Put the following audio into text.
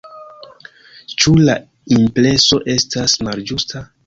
Ĉu la impreso estas malĝusta?